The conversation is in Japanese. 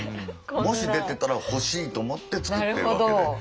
もし出てたら欲しいと思って作ってるわけで。